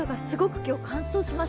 今日、乾燥します。